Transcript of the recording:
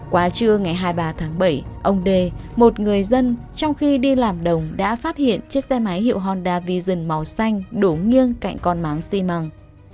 qua trưa ngày hai mươi ba tháng bảy ông đê một người dân trong khi đi làm đồng đã phát hiện chiếc xe máy hiệu honda vision màu xanh đổ nghiêng cạnh con máng xi măng